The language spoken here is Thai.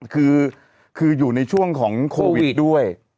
คือคืออยู่ในช่วงโควิดด้วย